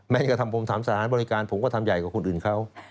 กระทำผมทำสถานบริการผมก็ทำใหญ่กว่าคนอื่นเขา